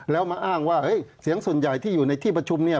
แล้วมาอ้างว่าเสียงส่วนใหญ่ที่อยู่ในที่ประชุมเนี่ย